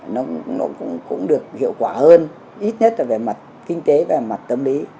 nó cũng được hiệu quả hơn ít nhất là về mặt kinh tế về mặt tâm lý